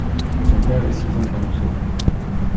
Son père est Sylvain Caruso.